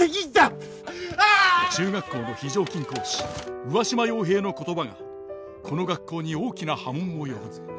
中学校の非常勤講師上嶋陽平の言葉がこの学校に大きな波紋を呼ぶ。